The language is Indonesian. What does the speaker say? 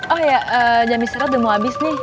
oh ya jam istirahat udah mau habis nih